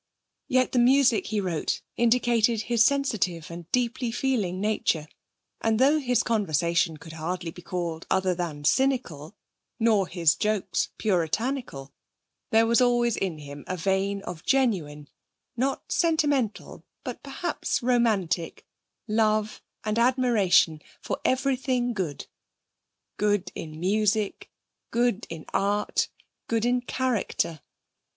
Yet the music he wrote indicated his sensitive and deeply feeling nature, and though his conversation could hardly be called other than cynical, nor his jokes puritanical, there was always in him a vein of genuine not sentimental, but perhaps romantic love and admiration for everything good; good in music, good in art, good in character.